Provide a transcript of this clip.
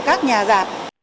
các nhà giả